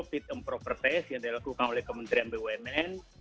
pengurusan yang dilakukan oleh kementerian bumn